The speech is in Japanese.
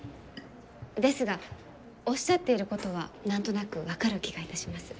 ですがおっしゃっていることは何となく分かる気がいたします。